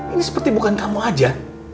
ini seperti bukan kamu aja